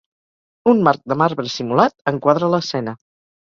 Un marc de marbre simulat, enquadra l'escena.